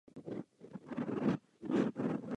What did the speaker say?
Později byl tento požadavek stažen.